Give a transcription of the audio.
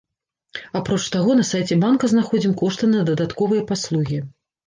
Апроч таго, на сайце банка знаходзім кошты на дадатковыя паслугі.